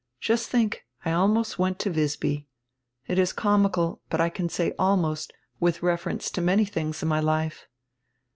Just think, I almost went to Wisby. It is comical, but I can say 'almost' with refer ence to many tilings in my life."